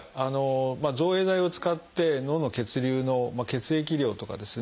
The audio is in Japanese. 造影剤を使って脳の血流の血液量とかですね